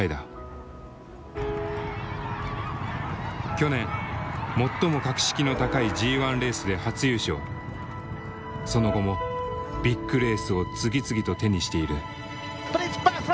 去年最も格式の高いその後もビッグレースを次々と手にしている。